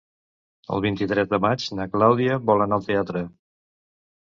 El vint-i-tres de maig na Clàudia vol anar al teatre.